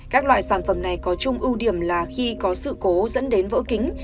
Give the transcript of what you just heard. các loại sản phẩm này có chung ưu điểm là khi có sự cố dẫn đến vỡ kính